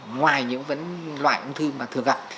ngoài những loại ung thư mà thường gặp